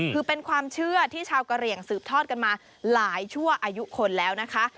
คือเป็นความเชื่อที่ชาวกะเหลี่ยงสืบทอดกันมาหลายชั่วอายุคนแล้วนะคะ